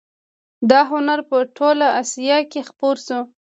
دا هنر په ټوله اسیا کې خپور شو